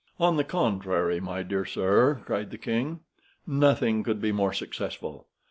"On the contrary, my dear sir," cried the king, "nothing could be more successful.